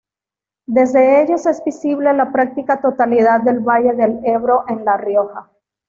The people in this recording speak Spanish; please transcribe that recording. Desde ellos es visible la práctica totalidad del valle del Ebro en La Rioja.